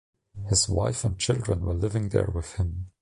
His wife and children were living there with him.